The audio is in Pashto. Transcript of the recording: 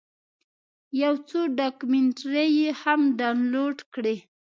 یو څو ډاکمنټرۍ هم ډاونلوډ کړې.